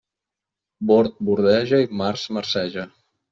Bord bordeja i març marceja.